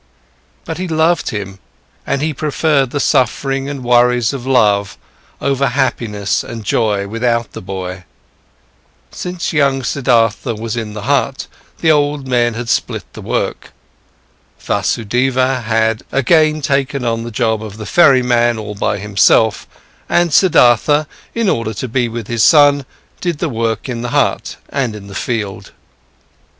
But he loved him, and he preferred the suffering and worries of love over happiness and joy without the boy. Since young Siddhartha was in the hut, the old men had split the work. Vasudeva had again taken on the job of the ferryman all by himself, and Siddhartha, in order to be with his son, did the work in the hut and the field.